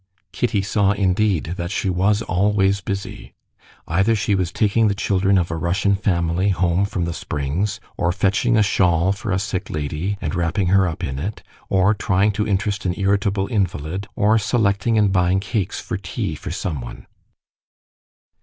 Kitty saw indeed, that she was always busy. Either she was taking the children of a Russian family home from the springs, or fetching a shawl for a sick lady, and wrapping her up in it, or trying to interest an irritable invalid, or selecting and buying cakes for tea for someone.